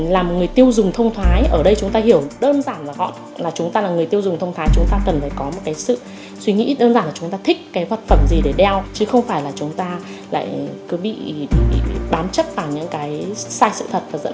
là một người tiêu dùng thông thái ở đây chúng ta hiểu đơn giản và họ là chúng ta là người tiêu dùng thông thái chúng ta cần phải có một cái sự suy nghĩ đơn giản là chúng ta thích cái vật phẩm gì để đeo chứ không phải là chúng ta lại cứ bị bám chất vào những cái sai sự thật và dẫn d